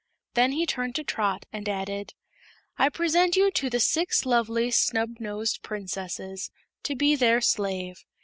Then he turned to Trot and added: "I present you to the Six Lovely Snubnosed Princesses, to be their slave.